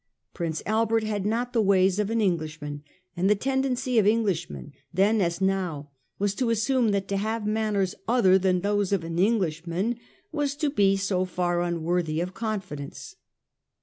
Prince Albert had not the ways of an Englishman, and the tendency of Eng lishmen, then as now, was to assume that to have manners other than those of an Englishman was to be so far unworthy of confidence.